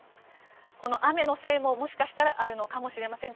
この雨のせいも、もしかしたらあるのかもしれません。